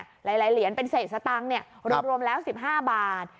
หลายหลายเหรียญเป็นเศษตังค์เนี่ยครับรวมแล้วสิบห้าบาท